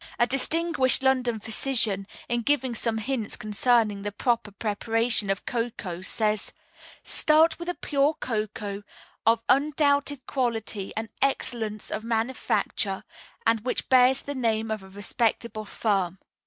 A distinguished London Physician, in giving some hints concerning the proper preparation of cocoa, says: "Start with a pure cocoa of undoubted quality and excellence of manufacture, and which bears the name of a respectable firm.